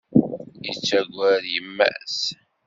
Yettaggad yemma-s.